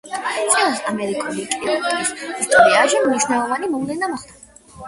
წელს, ამერიკული კილტის ისტორიაში მნიშვნელოვანი მოვლენა მოხდა.